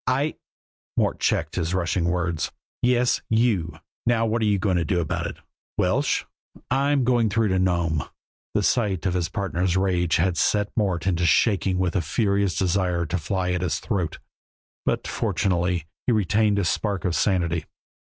"I " Mort checked his rushing words. "Yes, you! Now, what are you going to do about it? Welsh?" "I'm going through to Nome." The sight of his partner's rage had set Mort to shaking with a furious desire to fly at his throat, but fortunately, he retained a spark of sanity.